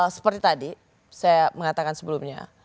seperti tadi saya mengatakan sebelumnya